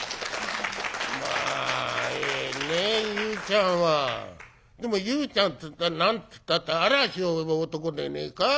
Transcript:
「まあええね裕ちゃんは。でも裕ちゃんっつったら何つったって『嵐を呼ぶ男』でねえか。